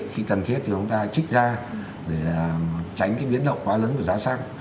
khi cần thiết thì chúng ta trích ra để tránh cái biến động quá lớn của giá xăng